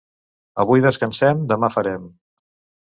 Avui descansem, demà farem.